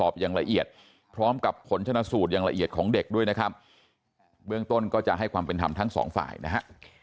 เบื้องต้นก็จะให้ความเป็นธรรมทั้ง๒ฝ่ายนะฮะ